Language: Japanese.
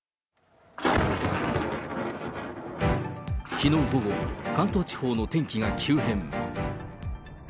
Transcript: きのう午後、関東地方の天気が急変。